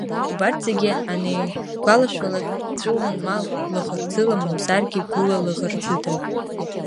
Убарҭ зегьы анигәалашәалак, дҵәыуон ма лаӷырӡыла, мамзаргьы гәыла, лаӷырӡыда.